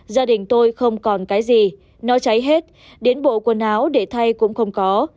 gia đình tôi không còn cái gì nó cháy hết đến bộ quần áo để thay cũng không có